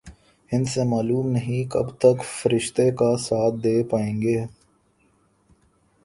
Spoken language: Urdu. ہندسے معلوم نہیں کب تک فرشتے کا ساتھ دے پائیں گے۔